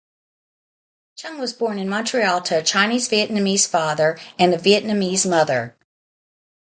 Chung was born in Montreal to a Chinese-Vietnamese father and a Vietnamese mother.